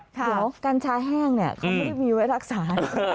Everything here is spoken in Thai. เดี๋ยวกัญชาแห้งเนี่ยเขาไม่ได้มีไว้รักษา